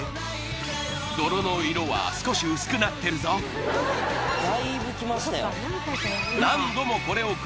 泥の色は少し薄くなってるぞだいぶきましたよ